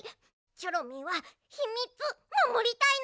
チョロミーはひみつまもりたいの！